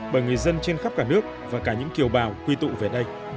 bởi người dân trên khắp cả nước và cả những kiều bào quy tụ về đây